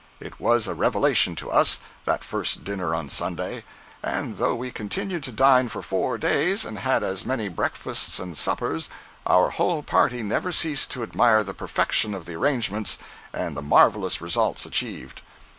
It was a revelation to us, that first dinner on Sunday. And though we continued to dine for four days, and had as many breakfasts and suppers, our whole party never ceased to admire the perfection of the arrangements, and the marvelous results achieved.